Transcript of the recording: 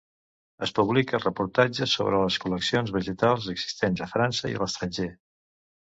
Es publica reportatges sobre les col·leccions vegetals existents a França i a l'estranger.